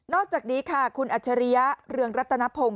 อกจากนี้ค่ะคุณอัจฉริยะเรืองรัตนพงศ